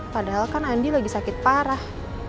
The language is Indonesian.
padahal kan andi lagi sakit parah